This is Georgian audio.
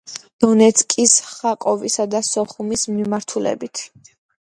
დონეცკის, ხარკოვისა და სოხუმის მიმართულებით.